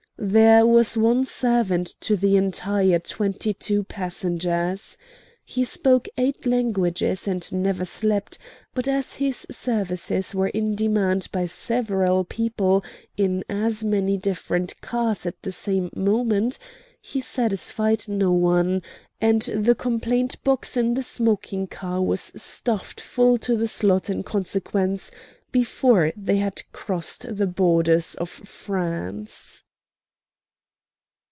There was one servant to the entire twenty two passengers. He spoke eight languages, and never slept; but as his services were in demand by several people in as many different cars at the same moment he satisfied no one, and the complaint box in the smoking car was stuffed full to the slot in consequence before they had crossed the borders of France.